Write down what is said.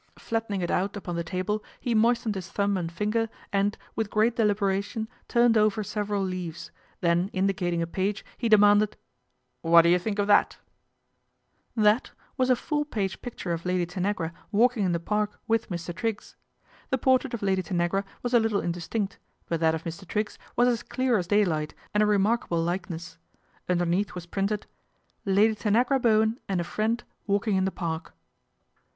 Flattening it out upon 230 PATRICIA BRENT, SPINSTER the table he moistened his thumb and finger and, with great deliberation, turned over several leaves, then indicating a page he demanded :" What do you think of that ?" "That," was a full page picture of Lad] Tanagra walking in the Park with Mr. Triggs. The portrait of Lady Tanagra was a little indis tinct ; but that of Mr. Triggs was as clear as day light, and a remarkable likeness. Underneath was printed " Lady Tanagra Bo wen and a friend walking in the Park."